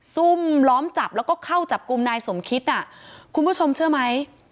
ซุ่มล้อมจับแล้วก็เข้าจับกลุ่มนายสมคิดน่ะคุณผู้ชมเชื่อไหม